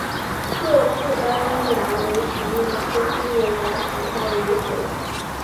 褐腹斑蚜为常蚜科新瘤蚜属下的一个种。